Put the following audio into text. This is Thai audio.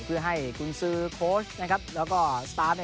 เพื่อให้คุณซื้อโค้ชแล้วก็สตาร์ท